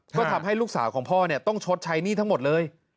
ก็ทำให้ลูกสาวของพ่อต้องชดใช้หนี้ทั้งหมดเลย